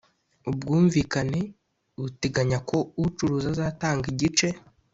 ubwumvikane buteganya ko ucuruza azatanga igice.